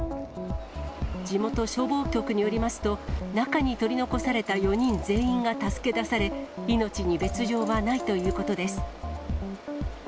地元消防局によりますと、中に取り残された４人全員が助け出され、命に別状はないということです。